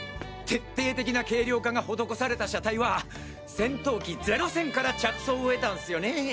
徹底的な軽量化が施された車体は戦闘機ゼロ戦から着想を得たんスよね！